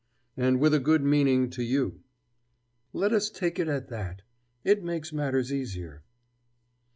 "And with a good meaning to you." "Let us take it at that. It makes matters easier."